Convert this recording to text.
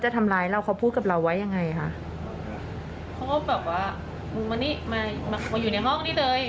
ขอบอกไปอาบน้ำอาบน้ำแล้วเข้ามาในห้องเลย